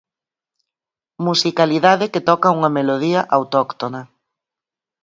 Musicalidade que toca unha melodía autóctona.